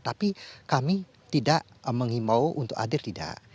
tapi kami tidak mengimau untuk adir tidak